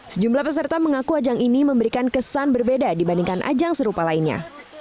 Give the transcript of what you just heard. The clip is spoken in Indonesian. sejumlah peserta mengaku ajang ini memberikan kesan berbeda dibandingkan ajang serupa lainnya